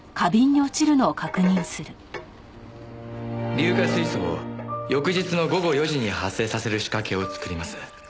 硫化水素を翌日の午後４時に発生させる仕掛けを作ります。